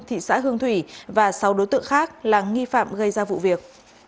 thị xã hương thủy và sáu đối tượng khác là nghi phạm gây ra vụ việc